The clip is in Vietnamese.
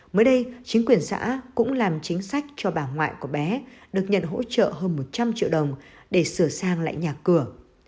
mới đây chính quyền xã cũng làm chính sách cho bà ngoại của bé được nhận hỗ trợ hơn một trăm linh triệu đồng để sửa sang lại nhà cửa